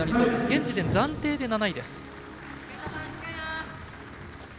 現時点、暫定で７位です。